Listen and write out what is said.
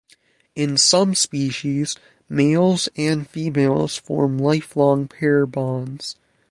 In some species, males and females form lifelong pair bonds.